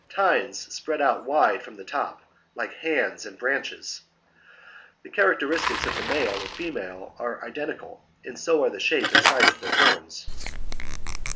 Tines spread out wide from the top, like hands and branches. The characteristics of the male and the female are identical, and so are the shape and size of their horns.